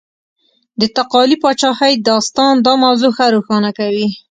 د تقالي پاچاهۍ داستان دا موضوع ښه روښانه کوي.